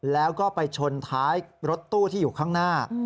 แล้วก็ไปชนท้ายรถตู้ที่อยู่ข้างหน้า